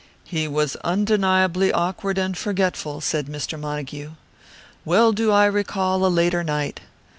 "He was undeniably awkward and forgetful," said Mr. Montague. "Well do I recall a later night.